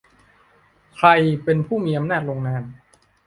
ใครเป็นผู้มีอำนาจลงนาม